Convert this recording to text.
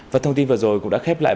và thông tin vừa rồi cũng đã khép lại